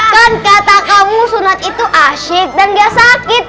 kan kata kamu sunat itu asyik dan gak sakit